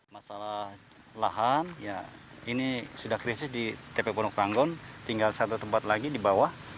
masalah lahan ini sudah krisis di tpu pondok ranggon tinggal satu tempat lagi di bawah